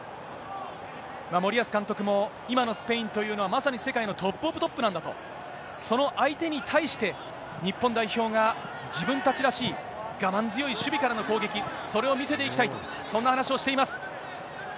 森保監督も今のスペインというのは、まさに世界のトップオブトップなんだと、その相手に対して、日本代表が自分たちらしい、我慢強い守備からの攻撃、それを見せていきたい、そんな話をしています。